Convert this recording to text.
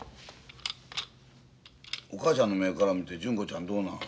お母ちゃんの目から見て純子ちゃんどうなん？